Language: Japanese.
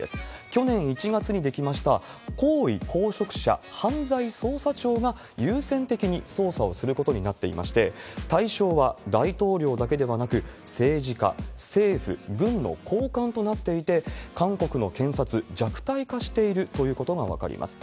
去年１月に出来ました高位公職者犯罪捜査庁が優先的に捜査をすることになっていまして、対象は大統領だけではなく、政治家、政府、軍の高官となっていて、韓国の検察、弱体化しているということが分かります。